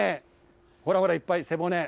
ほらほら、いっぱい背骨。